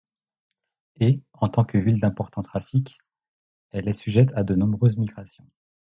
Et, en tant que ville d'importants trafics, elle est sujette à de nombreuses migrations.